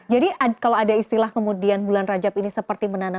jadi kalau ada istilah kemudian bulan rajab ini seperti menurut anda